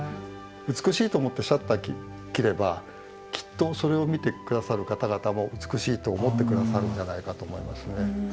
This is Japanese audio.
美しいと思ってシャッター切ればきっとそれを見てくださる方々も美しいと思ってくださるんじゃないかと思いますね。